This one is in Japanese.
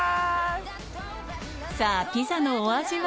さぁピザのお味は？